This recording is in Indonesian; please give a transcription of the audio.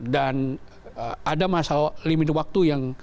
dan ada masalah limit waktu